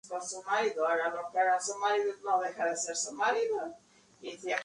Un milenio más tarde se seguían produciendo composiciones muy similares.